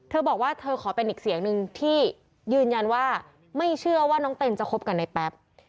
เธอบอกว่าเธอขอเป็นอีกเสียงหนึ่งที่ยืนยันว่าไม่เชื่อว่าน้องเต้นจะคบกับในแป๊บ